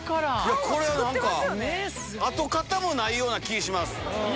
これは何か跡形もないような気ぃします。